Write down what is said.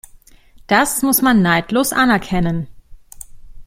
Das muss man neidlos anerkennen.